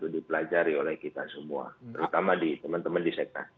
dipelajari oleh kita semua terutama teman teman di seknas